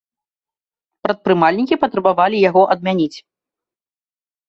Прадпрымальнікі патрабавалі яго адмяніць.